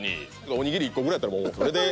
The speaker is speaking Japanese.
お握り１個ぐらいやったらもうそれで。